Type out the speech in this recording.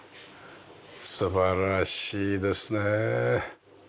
素晴らしいですねえ。